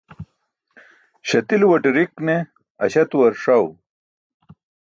Śatiluwate rik ne aśaatuwar ṣaw